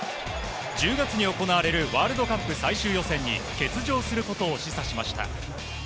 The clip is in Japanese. １０月に行われるワールドカップ最終予選に欠場することを示唆しました。